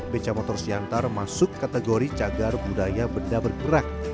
beca motor siantar masuk kategori cagar budaya benda bergerak